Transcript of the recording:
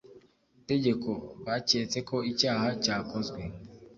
tegeko baketse ko icyaha cyakozwe